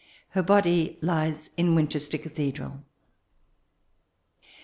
Her body lies in Winchester Cathedral.